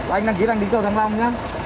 anh đăng ký đăng ký cầu thăng long nhé